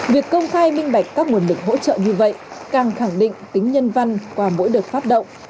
việc công khai minh bạch các nguồn lực hỗ trợ như vậy càng khẳng định tính nhân văn qua mỗi đợt phát động